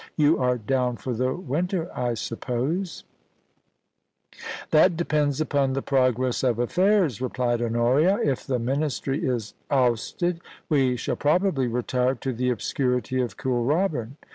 You are down for the winter, I suppose ?' *That depends upon the progress of affairs,' replied Honoria * If the Ministry is ousted we shall probably retire to the obscurity of Kooralbyn.